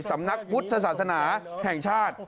สำนักพุทธศาสนาแห่งชาติ